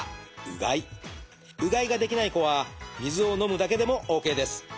うがいができない子は水を飲むだけでもＯＫです。